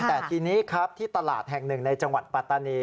แต่ทีนี้ครับที่ตลาดแห่งหนึ่งในจังหวัดปัตตานี